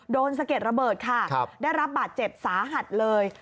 สะเก็ดระเบิดค่ะได้รับบาดเจ็บสาหัสเลย